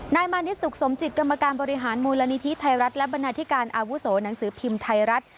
มานิดสุขสมจิตกรรมการบริหารมูลนิธิไทยรัฐและบรรณาธิการอาวุโสหนังสือพิมพ์ไทยรัฐ